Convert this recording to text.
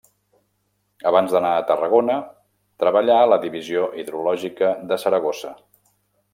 Abans d'anar a Tarragona treballà a la Divisió Hidrològica de Saragossa.